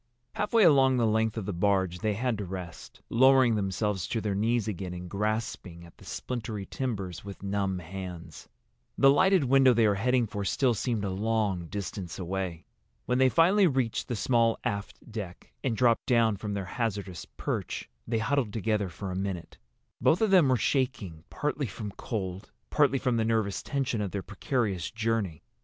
Halfway along the length of the barge they had to rest, lowering themselves to their knees again and grasping at the splintery timbers with numb hands. The lighted window they were heading for still seemed a long distance away. When they finally reached the small aft deck, and dropped down from their hazardous perch, they huddled together for a minute. Both of them were shaking, partly from cold, partly from the nervous tension of their precarious journey.